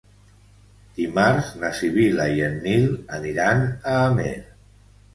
Dimarts na Sibil·la i en Nil aniran a Amer.